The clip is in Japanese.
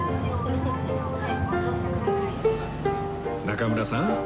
中村さん